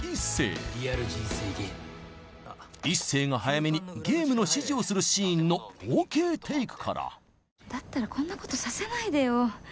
リアル人生ゲーム壱成が早梅にゲームの指示をするシーンのＯＫテイクからだったらこんなことさせないでよ